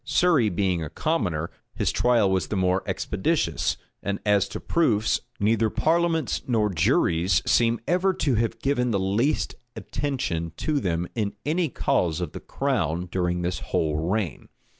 Surrey being a commoner, his trial was the more expeditious; and as to proofs, neither parliaments nor juries seem ever to have given the least attention to them in any cause of the crown during this whole reign.